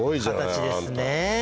形ですね。